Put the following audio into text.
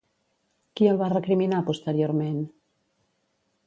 Qui el va recriminar posteriorment?